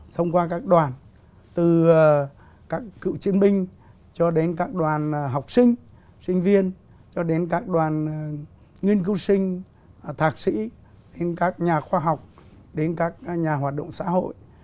thông qua các đoàn từ các cựu chiến binh cho đến các đoàn học sinh sinh viên cho đến các đoàn nghiên cứu sinh thạc sĩ đến các nhà khoa học đến các nhà hoạt động xã hội